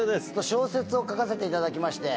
小説を書かせていただきまして。